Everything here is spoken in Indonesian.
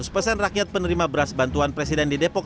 seratus persen rakyat penerima beras bantuan presiden di depok